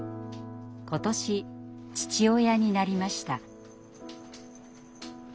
今年父親になりました。